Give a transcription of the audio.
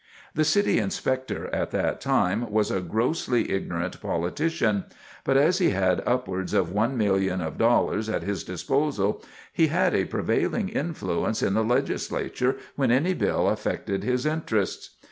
The City Inspector, at that time, was a grossly ignorant politician, but as he had upwards of one million of dollars at his disposal, he had a prevailing influence in the Legislature when any bill affected his interests.